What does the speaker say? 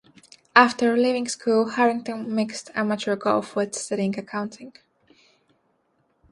After leaving school, Harrington mixed amateur golf with studying Accounting.